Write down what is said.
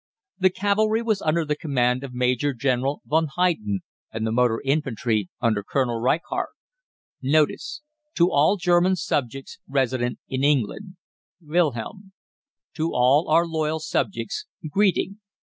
The cavalry was under the command of Major General von Heyden, and the motor infantry under Colonel Reichardt. NOTICE. TO ALL GERMAN SUBJECTS RESIDENT IN ENGLAND. WILHELM. To all OUR LOYAL SUBJECTS, GREETING.